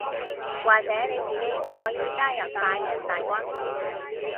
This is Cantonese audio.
或者你自己都可以加入曬命大軍